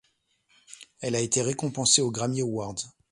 Elle a été récompensée aux Grammy Awards.